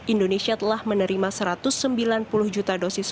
indonesia telah menerima satu ratus sembilan puluh juta dosis